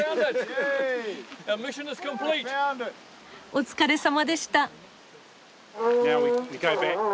お疲れさまでした。